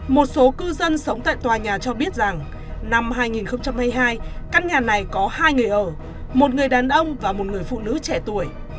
một số cư dân sống tại tòa nhà cho biết rằng năm hai nghìn hai mươi hai căn nhà này có hai người ở một người đàn ông và một người phụ nữ trẻ tuổi